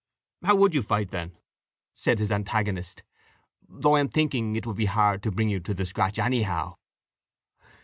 "How would you fight, then?" said his antagonist; "though I am thinking it would be hard to bring you to the scratch anyhow."